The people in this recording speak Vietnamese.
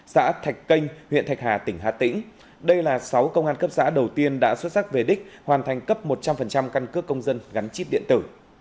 xã thạch canh huyện thạch hà tỉnh hà tĩnh đây là sáu công an cấp xã đầu tiên đã xuất sắc về đích hoàn thành cấp một trăm linh căn cước công dân gắn chip điện tử